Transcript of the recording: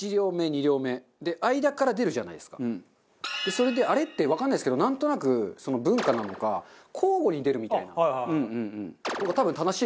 それであれってわかんないですけどなんとなく文化なのか交互に出るみたいなのが多分正しいのかなと思うんですよ。